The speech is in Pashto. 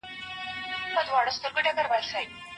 پلار وویل چي موږ له ډاره ماڼۍ ړنګه کړه.